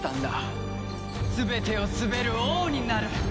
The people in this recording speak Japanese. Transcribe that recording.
全てを統べる王になる。